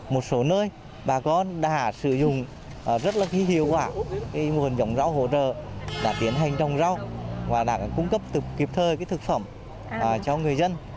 một số nơi bà con đã sử dụng rất là hiệu quả nguồn giống rau hỗ trợ đã tiến hành trồng rau và đã cung cấp kịp thời thực phẩm cho người dân